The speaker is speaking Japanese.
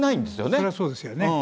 そりゃそうですよね。